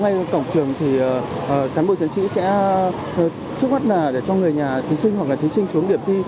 ngay cổng trường thì cán bộ chiến sĩ sẽ trước mắt là để cho người nhà thí sinh hoặc là thí sinh xuống điểm thi